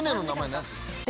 何。